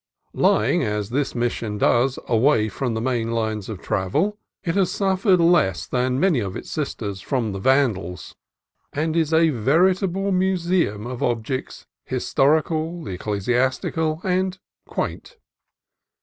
Lying, as this Mission does, away from the main lines of travel, it has suffered less than many of its sisters from the vandals, and is a verit able museum of objects historical, ecclesiastical, and quaint.